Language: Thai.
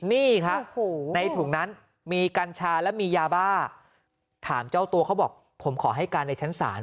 นี่ครับในถุงนั้นมีกัญชาและมียาบ้าถามเจ้าตัวเขาบอกผมขอให้การในชั้นศาล